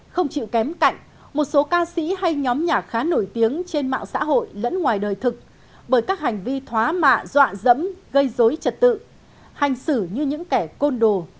không chịu kém cạnh một số ca sĩ hay nhóm nhạc khá nổi tiếng trên mạng xã hội lẫn ngoài đời thực bởi các hành vi thá mạ dọa dẫm gây dối trật tự hành xử như những kẻ côn đồ